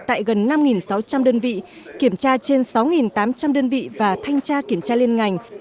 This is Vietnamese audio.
tại gần năm sáu trăm linh đơn vị kiểm tra trên sáu tám trăm linh đơn vị và thanh tra kiểm tra liên ngành